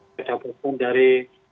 beda pukul dari